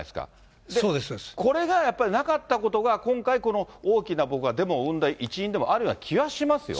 これがやっぱりなかったことが今回、この大きなデモを生んだ一因でもあるような気がしますよ。